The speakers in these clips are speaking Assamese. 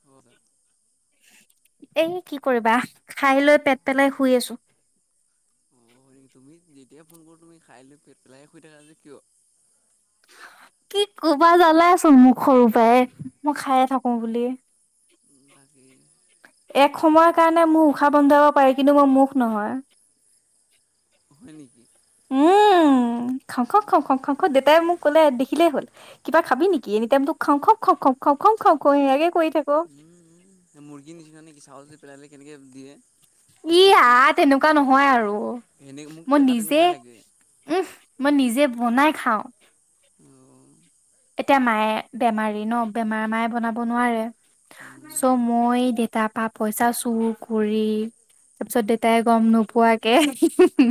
[unintelligible] এ কি কৰিবা খাই লৈ পেট পেলাই শুই আছো। অ হয় তুমি যেতিয়াই ফোন কৰো তুমি খাইলৈ পেট পেলাইে শুই থাকা যে কিয়? কি ক'বা জালাচোন মোক সৰু পৰাই মই খায়ে থাকো বুলি। বাকী। এক সময়ৰ কাৰণে মোৰ উশাহ বন্ধাব পাৰি কিন্তু মই মুখ নহয় হয় নেকি। উম। খং অ খ খং খং খাং খ দেতাই মোক ক'লে দেখিলেই হলিবা খাবি নেকি এনি টাইম মোক খং খ খং খ খং খং। [unintelligible] খ কাকে কৈ থাকো। [unintelligible] হেল্ল। পেলাই কেনেকৈ দিয়ে। [unintelligible] ই স্পীডটো আ তেনেকুৱা নহয় আৰু এনে মোকতো মই দেখাত নিজে তেনেকুৱাই লাগে উম। মই নিজে বনাই খাওঁ। অ এতিয়া মায়ে বেমাৰী ন বেমাৰ মায়ে বনাব নোৱাৰে। উম চ' মই দেতাৰ পা পইচা চুৰ কৰি। তাৰ পিছত দেতাই গম নোপোৱাকে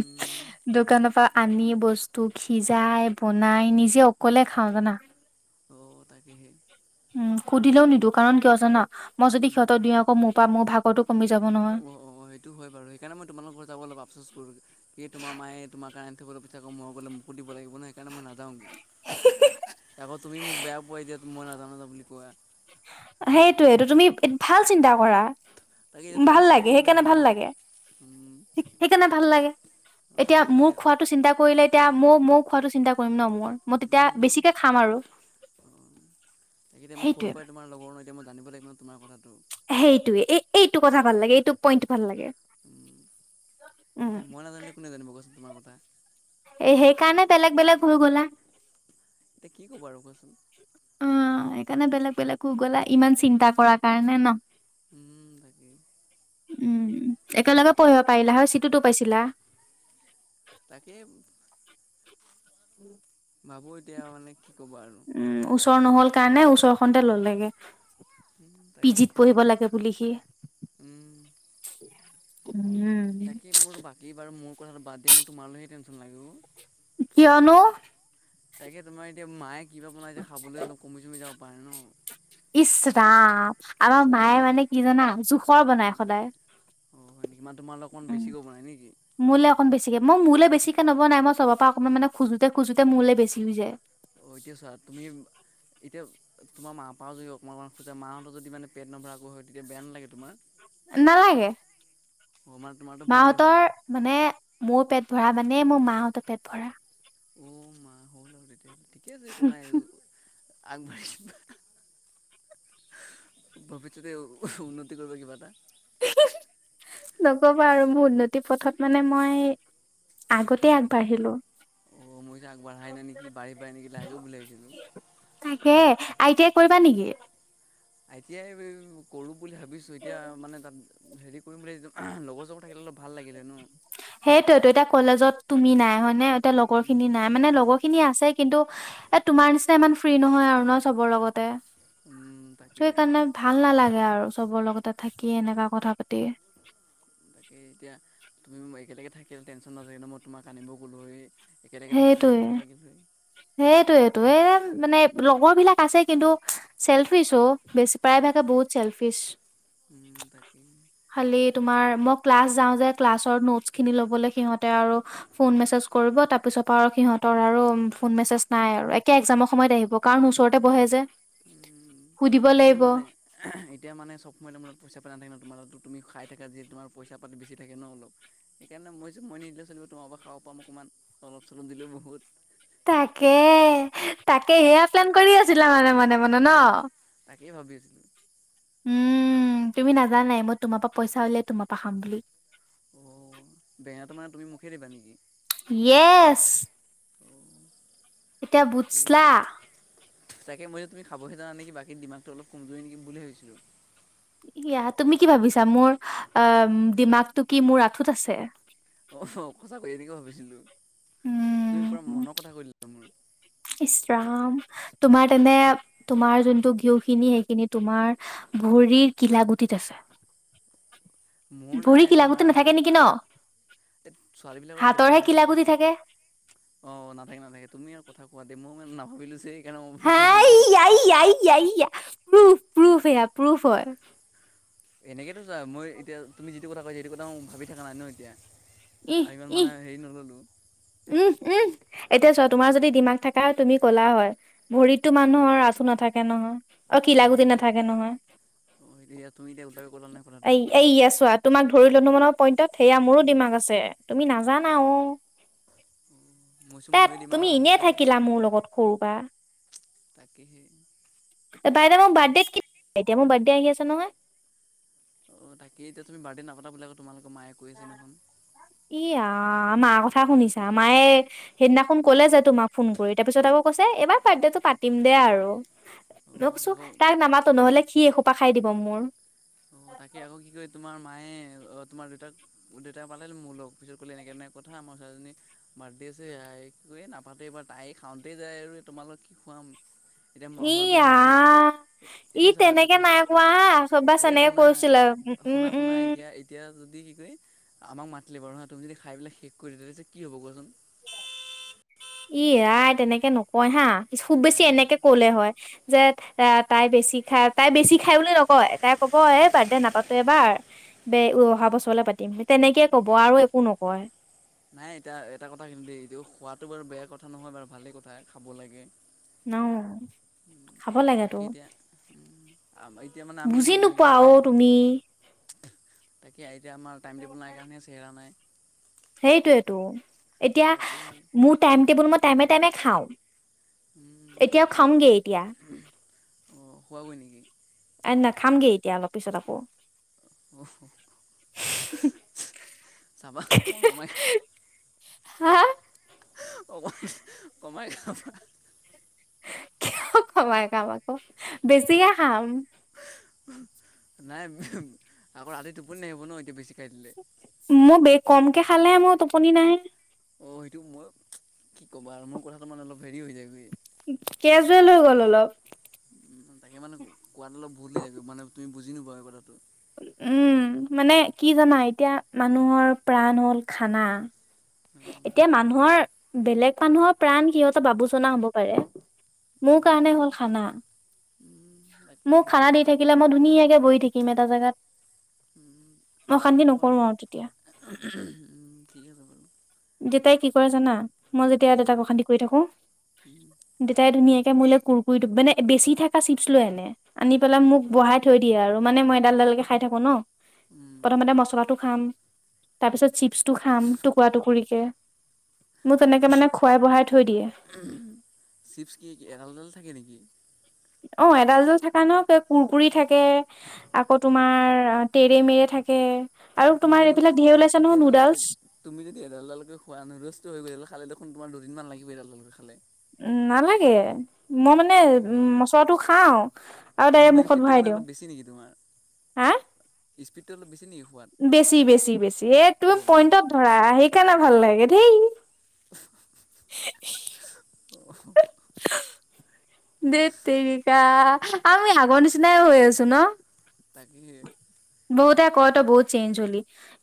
উম দোকানৰ পৰা আনি বস্তু। [unintelligible] সিজাই বনাই নিজে অকলে খাওঁ জানা। [inaudible] উম সুধিলেও নিদো কাৰণ কিয় জানা মই যদি উম সিহঁতক দিওঁ আকৌ মোৰ পৰা মোৰ ভাগটো কমি যাব নহয়। অ অ সেইটো হয় বাৰু, সেইকাৰণে মই তোমালোকৰ যাবলে আপচোচ কৰোঁ। এ তোমাৰ মায়ে তোমাৰ কাৰণে উঠিবলে পিঠা কম মই গলে মোকো দিব লাগিব নে। সেইকাৰণে মই নেযাওঁ আকৌ তুমি মোক বেয়া পোৱা এতিয়া দিয়া মই নাজাওঁ-নাযাওঁ বুলি কোৱা। সেইটোৱেটো তুমি ভাল চিন্তা কৰা। তাকে এতিয়া তোমাৰ ভাল চিন্তা লাগে কৰিব লাগিব সেইকাৰণে ন ভাল মই লাগে, উম সেইকাৰণে ভাল লাগে। এতিয়া মোক খোৱাটো চিন্তা কৰিলে এতিয়া মোক-মোক খোৱাটো চিন্তা কৰিম ন মুৰ। মই তেতিয়া উম বেছিকে খাম আৰু, অঁ তাকে এতিয়া মই সৰুৰ সেইটোৱে। পৰাই তোমাৰ লগৰ ন এতিয়া মই জানিব লাগিব ন তোমাৰ কথাটো। সেইটোয়ে, এই-এইটো কথা ভাল লাগে এইটো পইন্ট উম মই নাজানিলে কোনে নাজানিব কোৱাচোন তোমাৰ কথা। এ সেইকাৰণে বেলেগ-বেলেগ হৈ গ'লা। এতিয়া কি ক'ব আৰু কোৱাচোন। সেকাৰণে বেলেগ-বেলেগ হৈ গলা ইমান চিন্তা কৰাৰ কাৰণে ন? উম, তাকে। উম', একেলগে একো পঢ়িব পাৰিলা হয় চিটোতো পাইছিলা। তাকে। ভাবোঁ এতিয়া মানে কি ক'বা আৰু উম', ওচৰ নহল কাৰণে ওচৰ খনতে ললেগে। উম, তাকে পিজিত পঢ়িব লাগে বুলি সি। উম উম তাকে মোৰ বাকী বাৰু মোৰ কথাটো বাদেই, মোৰ তোমালৈহে টেনচন লাগে অ। কিয়নো? তাকে তোমাৰ এতিয়া মায়ে কিবা বনাইছে খাবলৈ অলপ কমি চমি যাব পাৰে ন? ইচ ৰাম আমাৰ মায়ে মানে কি জানা জোখ অ' হয় নিকি, মানে তোমালে অকন উম বেছিকৈ বনাই নেকি? মোলে বেছিকে মই মোলে বেচিকে নবাই মই চব পৰা অকণমান মানে খোজোঁতে খোজোঁতে মোলে বেছি হৈ যায়। অ', এতিয়া চোৱা তুমি এতিয়া তোমাৰ মাৰ পাও যদি অকমান অকমান খোজা মাহঁত যদি মানে পেট নভৰা আকৌ হয় তেতিয়া বেয়া নালাগে তোমাৰ? নালাগে। অ', মানে তোমাৰতো ভৰিলেই হ'ল মাহঁতৰ মানে, মোৰ পেট ভৰা মানে মোৰ মাহঁতৰ পেট ভৰা। অ', মা হ'ল আৰু তেতিয়া হ'লে ঠিকে আছে একো নাই। আগ বাৰিছ। ভৱিষ্যত উন্নতি কৰিব কিবা এটা। নকবা আৰু মোৰ উন্নতিৰ পথত মানে মই আগতে আগবাঢ়িলো। অ', মই যে আগবঢ়াই নাই নেকি বাঢ়ি পাই নেকি লাহেকেও বোলে আহিছিলোঁ। সে আই টি আই কৰিবা নেকি? আই টি আই কৰো বুলি ভাবিছো এতিয়া মানে তাত হেৰি কৰিম বুলি ভাবিছো, লগৰ-চগৰ সেইটোৱেতো এতিয়া কলেজত তুমি নাই হয় নে? তিয়া লগৰ খিনি নাই মানে লগৰ খিনি আছে কিন্তু, এ তোমাৰ নিচিনা ইমান ফ্ৰী নহয় আৰু ন চবৰ লগতে। উম, ত' তাকেই এইকাৰণে ভাল নালাগে। গে আৰু চবৰ লগতে থাকি এনেকা কথা পাতি। তাকে এতিয়া তুমি মই একেলগে থাকিলে টেনচন নহলে হয় ন, মই তোমাক আনিবও গলোঁ হয়। এ সেইটোৱে, সেইটোৱেইটো, এ মানে লগৰ বিলাক আছে কিন্তু চেলফিচ অ বেছি প্ৰায়ভাগে বহুত চেলফিচ। উম, তাকে। তোমাৰ মই ক্লাছ যাওঁ যে, ক্লাছৰ নটচ খিনি লবলৈ সিহঁতে আৰু ফোন মেচেজ কৰিব তাপ তাৰপিছৰ পৰা আৰু সিহঁতৰ আৰু ফোন মেছেজ নাই আৰু একে এক্সামৰ সময়ত আহিব, কাৰণ মোৰ ওচৰতে বহে যে। উম, সুধিব তাকে লাগিব মানে এতিয়া মানে চব সময় তোমাৰ লগত পইচা পেলাই নাথাকে ন তোমাৰ লগত তুমি খাই থাকা যিহেতু তোমাৰ পইচা পাতি বেছি থাকে ন অলপ, সেইকাৰণে মই যে মই নিদিলেওঁ চলিব তোমাৰ অৱ খাব পাম। অকমান অলপ চলপ দিলেও বহুত তাকে তাকে সেয়া প্লেন কৰি আছিলা মানে [unintelligible] অ তাকেই ভাবি আছিলোঁ উম তুমি নাজানাই মই তোমাৰ পৰা পইচা উলিয়াই তোমাৰ পৰা খাম বুলি দিবানিকী ইয়েচ অঁ এতিয়া তাকে বুজলা তাকে মইয়ো তুমি খাবহে যাও নেক বাকী দিমাগটো অলপ কমজৰি নেকি বুলি ভাবছিলো [unintelligible] এয়া তুমি কি ভাবিছা মোৰ অ দিমাগটো কি মোৰ আঁঠুত আছে অ সঁচাকৈ এনেকে ভাবিছিলোঁ তুমি পুৰা উম মনৰ কথা কৈ দিলা মোৰ ইছৰাম তোমাৰ তেনে তোমাৰ যোনটো ঘিও খিনি সেইখিনি তোমাৰ ভুৰ শৰীৰ কিলা কিলাকুটিত আছে [unintelligible] [inaudible] মোৰ নাই ভৰি তোমাৰ কিলাগতি আছে নাথাকে নেকি ন [unintelligible] এই ছোৱালী বিলাকৰ থাকে হাতৰহে লৰাবিলাকৰ কিলাকুটি নাথাকে থাকে অ নাথাকে নাথাকে তুমি আৰু কথা কোৱা দে মই মানে নাভাবিলো যে মই বুলি হে কৈ দিলো ইয়া ইয়া ইয়া ইয়া প্ৰুফ প্ৰুফ এয়া প্ৰুফ হয় [unintelligible] এনেকেতো চোৱা মই এতিয়া তুমি যিটো কথা কৈছা সেইটো কথা ভাবি থকা নাই ন এতিয়া ইহ আৰু ইমান ইহ মানে হেৰি নললো উম উম এতিয়া চোৱা তোমাৰ যদি দিমাগ থাকা হয় তুমি ক'লা হয় ভৰিতো মানুহৰ আ ঠু নাথাকে নহয় অ কিলাগুতি নাথাকে নহয় এতিয়া তুমি এতিয়া ওলাবি ক'লা নাই এ কথাটো এইআ ছোৱা তোমাক ধৰি [unintelligible] লো পইন্টত সেয়া মোৰো দিমাগ আছে তুমি নাজানা অ মই চোন তাত মোৰে দিমাগ তুমি আছে নেকি এনে ক'লে থাকিলা মোৰ লগত সৰু পা তাকেহে বাতদে মোৰ বাৰ্থডেত কি এয়া মোৰ বাৰ্থডে আহি আছে নহয় অ তাকেইটো তুমি বাৰ্থডে নাপাতিবা ক তোমালোক ইয়া মা ক কথা শুনিছা মায়ে সেইদিনাখনো ক'লে যে তোমাক ফোন কৰি তাৰ পিছত আকৌ কৈছে এবাৰ বাৰ্থডেটো পাতিম দে [unintelligible] আৰু অ মই কৈছো আকৌ তাক নামাতো নহলে কি এসোপা খাই দিব মোৰ অ তাকে আকৌ কি কয় তোমাৰ মায়ে তোমাৰ দেউতাক দেউতা পালে মোৰ লগ পিছত ক'লে এনেকে এনেকে কথা মই [unintelligible] ছোৱালীজনীৰ বাৰ্থডে আছে কি কয় এ নাপাতো এইবাৰ তাই খাওঁতেই যায় আৰু তোমালো কি খুৱাম [unintelligible] ই হৈ বোলে আ মাতি ই তেনেকে নাই কোৱা হা চবে [unintelligible] এ শুনা শুনা শুনা এতিয়া এতিয়া যদি কি কৰি আমাক মাতিলে বাৰু হা তুমি যদি খাই পেলাক শেষ কৰি দিয়া তেতিয়া কি হব কোৱাচোন [unintelligible] ই, আই, তেনেকে নকয় হা। খুব বেছি এনেকে ক'লে হয়। যে, এ, তাই বেছি খায়। তাই বেছি খায় বুলি নকয়, তাই ক'ব এ, বাৰ্থডে নাপাতোঁ এবাৰ। দে অহা বছৰলে পাতিম। তেনেকে কব আৰু একো নকয়। নাই। এতিয়া, এটা কথা কিন্তু দেই, এইটো খোৱাটো বাৰু বেয়া কথা নহয় বাৰু ভালে কথা খাব লাগে। [unintelligible] খাব লাগেতো তাকে, এতিয়া আকৌ এতিয়া মানে, আমি বুজি যেনেকে নোপোৱা আমাৰ অ টাইম, তুমি এতিয়া এতিয়া আমাৰ, টাইম টেবুল নাই কাৰনে, চেহেৰা নাই। সেইটোৱেতো, এতিয়া তাকে মোৰ টাইম টেবুল, মই টাইমে, টাইমে, খাওঁ। এতিয়াও খাওঁগে এতিয়া। অঁ খোৱাগৈ নেকি এ নাখামগে এতিয়া অলপ পিছত আকৌ। [unintelligible] চাবা, অকমান কমাই খাবা। হা অকমান কমাই খাবা। কিয়, কমাই কাম আকৌ, বেছিহে খাম। নাই। আকৌ, ৰাতি টোপনি নাহিব ন' এতিয়া বেছিক মোৰ বে কমকে খালেহে মোৰ টোপনি নাহে। অ'! সেইটো মই কি ক'বা, মোৰ কথাটো তাৰ মানে, অলপ হেৰি হৈ যায়গৈ। কেজুৱেল হৈ গ'ল অলপ। তাকে মানে, কোৱাত অলপ ভুল হৈ যাইগৈ, মানে, তুমি বুজি নোপোৱা এই কথাটো। উম! মানে, কি জানা এতিয়া মানুহৰ প্ৰাণ হ'ল খানা। এতিয়া, মানুহৰ খানা বেলেগ মানুহৰ প্ৰাণ সিহঁতৰ বাবু চনা হ'ব পাৰে। মোৰ অঁ কাৰণে তাকে হ'ল খানা। মোক তাকেহে খানা দি থাকিলে মই ধুনীয়াকে বহি থাকিম। এ এটা জেগাত। অশান্তি হ'ব নকৰো বাৰু আৰু তেতিয়া। উম, ঠিক আছে বাৰু। দেউতাই কি জানা মই যেতিয়া কি দেউতাক কৰে অশান্তি কৰি থাকোঁ। দেউতাই ধুনীয়া কে মোলে, কুৰকুৰিটো মানে, বেচি থাকা চিপছ লৈ আনে, আনি পেলাই মোক বহাই থৈ দিয়ে আৰু। মানে, মই এডাল, এডালকে খায় থাকোঁ ন'। প্ৰথমতে, মছলাটো খাম। তাৰপিছত, চিপছটো খাম টুকুৰা, টুকৰিকে। চিপছ কি এডাল, এডাল থাকে নেকি? অ'! এডাল যে, থাকা ন' কুৰকুৰি থাকে, আকৌ তোমাৰ তেৰে মেৰে থাকে। অ'! আৰু তুমি তোমাৰ দেখোন এইবিলাক ধেৰ ওলাইছে নহয় তেতিয়াহ'লে, নুডলছ তুমি যদি এডাল এডালকে খোৱা, নষ্ট হৈ গোটেইকেইডাল খালে দেখো দেখোন তোমাৰ দুদিনমান লাগিব এডাল, এডালকে খালে। উম, নালাগে। মই মানে, অ' নালে মচলাটো খাওঁ আৰু ডাইৰেক্ট মুভমেণ্ট মুখত স্পীডটো ভৰাই মানে দিওঁ। অলপ বেছি নেকি তোমাৰ? হা স্পীডটো অলপ বেছি নেকি? খোৱাত? বেছি, বেছি, বেছি, এ, তুমি অ' অ' পইণ্টত ধৰা তাকে সেইকাৰণে ভাল লাগে ধেই। [unintelligible] ধেৎ তেৰিকা, আমি আগৰ নিচিনাই হৈ আছো ন'? তাকেহে। বহুতে কয়, তই বহুত চেঞ্জ হলি!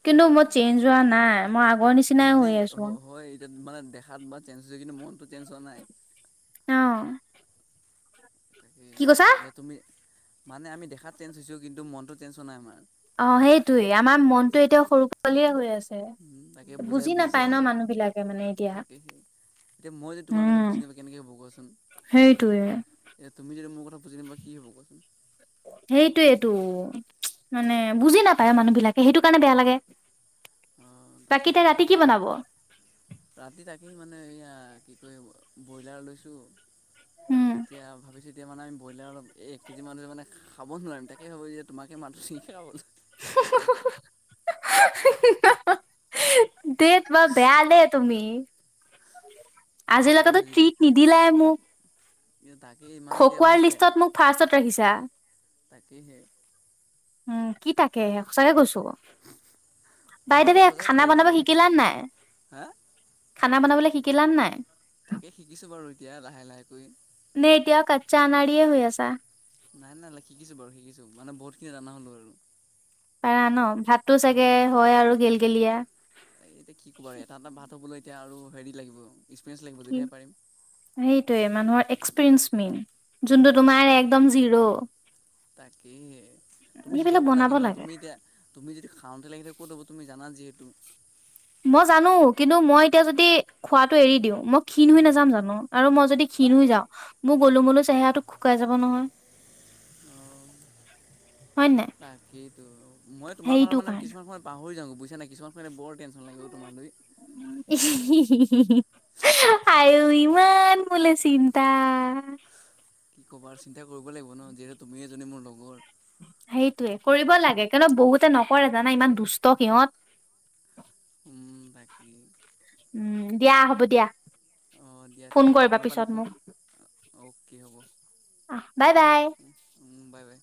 কিন্তু, মই চেঞ্জ হোৱা নাই, মই আগৰ নিচিনাই মানে হৈ আছোঁ। হয় এতিয়া মানে, দেখাত বা চেঞ্জ হৈছে, কিন্তু, মনটো চেঞ্জ হোৱা নাই। অ'! তাকে, কি কৈছা এ, তুমি মানে, আমি দেখাত চেঞ্জ হৈছোঁ। কিন্তু, মনটো চেঞ্জ হোৱা নাই আমাৰ। অ'! সেইটোৱে, আমাৰ মনতটোৱে এতিয়া সৰু পোৱালিয়ে হৈ আছে। তাকে বুজাই বুজি বুজিছে নাপায় আৰু ন' মানুহ বিলাকে। মানে এতিয়া তাকেহে, এতিয়া মই যদি তোমাৰ কথা উম বুজি নাপালে, কেনেকে হ'ব কোৱাচোন? সেইটোয়ে এতিয়া তুমি যদি মোৰ কথা বুজি নোপোৱা কি হ'ব কোৱাচোন? সেইটোৱেইটো। মানে বুজি নাপায় মানুহ বিলাকে সেইটো কাৰণে বেয়া লাগে। অঁ বাকি তাই তাকেহে ৰাতি কি বনাব? ৰাতি তাকেই মানে এয়া কি কয় ব্ৰইলাৰ লৈছোঁ, উম এতিয়া ভাবিছিল এতিয়া মানে আমি বইলাৰ অলপ এক কেজি মানে মানে খাব নোৱাৰিম তাকেই ভাবিছোঁ, তোমাকে মাটো নেকি খাবলে। [unintelligible] [unintelligible] ধেৎ বৰ বেয়া দেই তুমি। আজিৰ তাকে লৈকেটো ভাবিছোঁ ট্ৰিট নিদিলাই মোক। এতিয়া তাকে মানে এতিয়া মোৰ খকুৱাৰ লিষ্টত মোক ফাৰ্ষ্টত ৰাখিছা। তাকেহে উম কি তাকে সঁচাকে কৈছো। মইতো বাইদাৱে, সঁচাই খানা কথা বনাব কৈছোঁ শিকিলা নে নাই? হা খানা বনাবলৈ শিকিলানে নাই? তাকে শিকিছোঁ বাৰু এতিয়া লাহে লাহেকৈ। চানাৰীয়ে হৈ আছা। নাই নাই নাই শিকিছো বাৰু শিকিচো মানে বহুত খিনি জানা হ'লো আৰু। পাৰা ন ভাতটো চাগে হয় আৰু গেল গেলিআ। এ এতিয়া কি কবাৰে এটা এটা ভাত হবলৈ এতিয়া আৰু হেৰি লাগিব। এক্সপিৰিয়েঞ্চ লাগিব তেতিয়া পাৰিম। সেইটোয়ে মানুহৰ এক্সপিৰিয়েঞ্চ মেইন যোনটো তোমাৰ একদম জিৰ। তাকে তুমি এইবিলাক শিকাব লাগে বনাব ন তুমি এতিয়া তুমি যদি খাওঁতে লাগিলে ক'ত হব তুমি জানা যিহেতু। টো। মই জানো কিন্তু মই এতিয়া যদি খোৱাটো এৰি দিওঁ। মই ক্ষীণ হৈ অঁ নাযাম জানো আৰু মই যদি ক্ষীণ হৈ যাও মই গ'লো মোলু চেহেৰাটো শুকাই যাব নহয়। অ হয় নাই তাকেইতো মই তোমাৰ কথা সেইটো মানে কাৰণে কিছুমান সময়ত পাহৰি যাওঁ। বুইছা নাই কিছুমান [unintelligible] বৰ টেনশ্যন লাগে তোমাক লৈ। ইহ হি হি হি আঐ ইমান মোলে চিন্তা। কি ক'বা আৰু চিন্তা কৰিব লাগিব ন যিহেতু তুমি এজনী মোৰ লগৰ। সেইটোয়ে কৰিব লাগে কিয়নো বহুতে নকৰে জানা ইমান দুষ্ট সিহঁত। তাকেই। উম দিয়া হ'ব দিয়া। অঁ দিয়া ঠিক ফোন আছে কৰিবা সময় পালে পিছত ফোন মোক অকে হ'ব। অ বাই বাই। Bye bye.